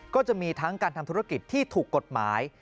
ก็จะมีทั้งการทำธุรกิจที่ถูกกฎหมาย